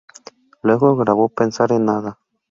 Luego grabó "Pensar en nada".